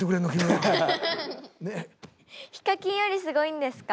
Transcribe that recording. ＨＩＫＡＫＩＮよりすごいんですか？